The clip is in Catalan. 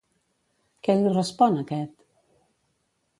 Què li respon aquest?